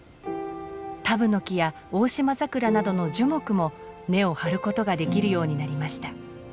タブノキやオオシマザクラなどの樹木も根を張ることができるようになりました。